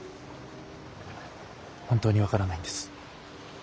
本当に分からないんです。